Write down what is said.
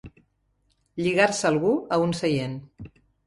Lligar-se algú a un seient.